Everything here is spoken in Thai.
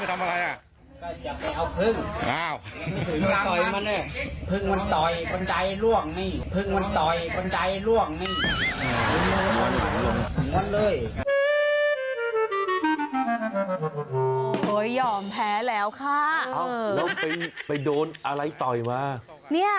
ตายพึ่งตายตกมาเนี่ยพึ่งตายตกมาเนี่ย